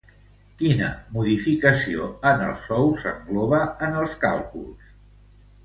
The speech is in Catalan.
Quina modificació en els sous s'engloba en els càlculs?